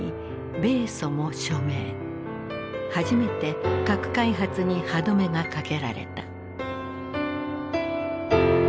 初めて核開発に歯止めがかけられた。